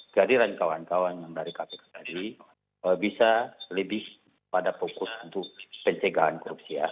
kehadiran kawan kawan yang dari kpk tadi bisa lebih pada fokus untuk pencegahan korupsi ya